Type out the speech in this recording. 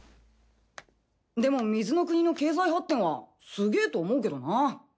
でも水の国の経済発展はすげぇと思うけどな。